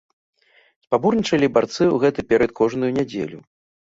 Спаборнічалі барцы ў гэты перыяд кожную нядзелю.